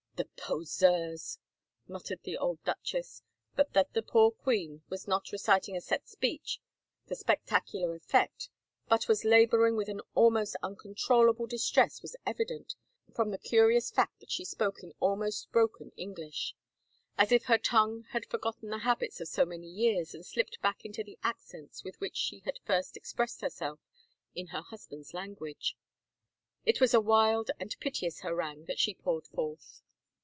"The poseuse!" muttered the old duchess, but that the poor queen was not reciting a set speech for spectac ular effect but was laboring with an almost uncontrollable distress was evident from the curious fact that she spoke in almost broken English, as if her tongue had forgotten the habits of so many years and slipped back into the accents with which she had first expressed herself in her husband's language. It was a wild and piteous harangue that she poured forth.